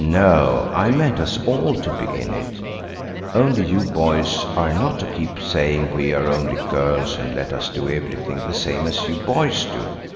"No; I meant us all to be in it–only you boys are not to keep saying we're only girls, and let us do everything the same as you boys do."